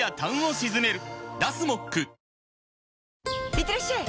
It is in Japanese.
いってらっしゃい！